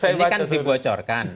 ini kan dibocorkan